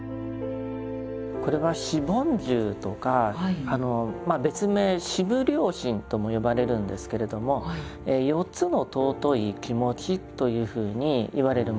これは「四梵住」とか別名「四無量心」とも呼ばれるんですけれども４つの尊い気持ちというふうにいわれるものです。